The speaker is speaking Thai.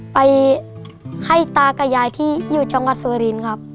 ไปให้ตากับยายที่อยู่จังหวัดสุรินครับ